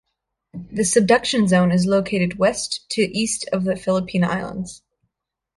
The subduction zone is located west to east of the Philippine Islands.